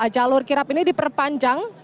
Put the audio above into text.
jalur kirap ini diperpanjang